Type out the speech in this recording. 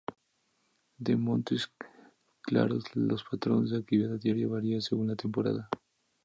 En Montes Claros, los patrones de actividad diaria varían según la temporada.